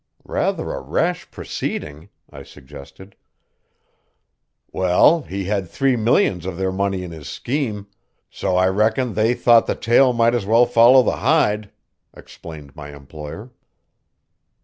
"Rather a rash proceeding," I suggested. "Well, he had three millions of their money in his scheme, so I reckon they thought the tail might as well follow the hide," explained my employer.